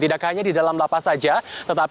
tidak hanya di dalam lapas saja